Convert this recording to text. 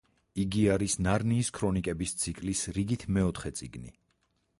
იგი არის ნარნიის ქრონიკების ციკლის რიგით მეოთხე წიგნი.